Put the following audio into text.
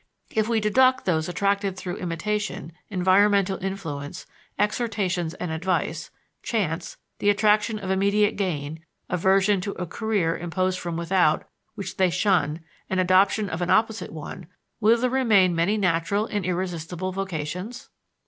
If we deduct those attracted through imitation, environmental influence, exhortations and advice, chance, the attraction of immediate gain, aversion to a career imposed from without which they shun and adoption of an opposite one, will there remain many natural and irresistible vocations?